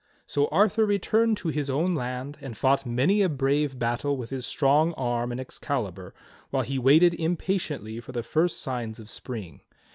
So Arthur returned to his own land and fought many a brave battle with his strong arm and Excalibur, while he waited impatiently for the first signs of spring.